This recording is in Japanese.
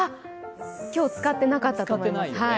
今日、使ってなかったと思います。